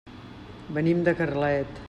Venim de Carlet.